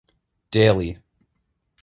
Daley.